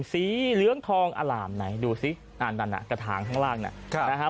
สีเหลืองทองอล่ามไหนดูสินั่นน่ะกระถางข้างล่างนะครับ